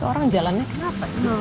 orang jalannya kenapa sih